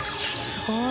すごい。